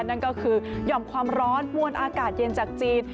นั่นก็คือหย่อมความร้อนมวลอากาศเย็นจากจีน